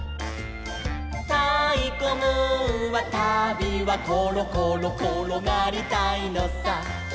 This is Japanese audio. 「たいこムーンはたびはころころころがりたいのさ」